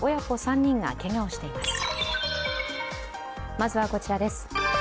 まずはこちらです。